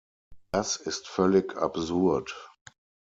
Das ist völlig absurd.